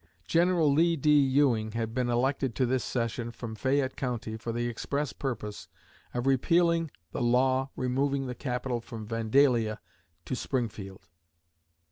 General Lee D. Ewing had been elected to this session from Fayette County for the express purpose of repealing the law removing the capital from Vandalia to Springfield.